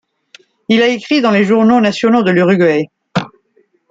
Il a écrit dans les journaux nationaux de l'Uruguay.